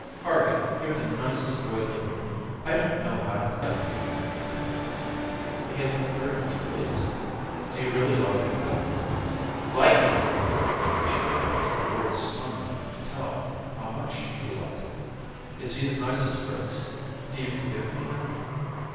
"Harvey, you're the nicest boy living. I don't know how to thank you." He looked very much pleased. "Do you really like him, Beth?" "Like him! " She could not think of words strong enough to tell how much she liked him. "Is he as nice as Fritz? Do you forgive me now?"